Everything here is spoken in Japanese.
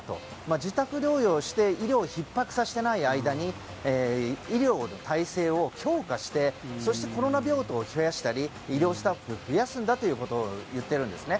自宅療養して医療をひっ迫させていない間に医療の体制を強化してそしてコロナ病棟を増やしたり医療スタッフを増やすんだということを言っているんですね。